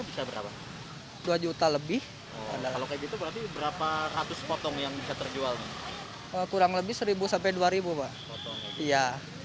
bisa berapa dua juta lebih berapa ratus potong yang bisa terjual kurang lebih seribu dua ribu iya